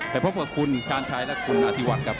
แต่บุคคุณการ์ดชัยคุณอธิวัฒน์ครับ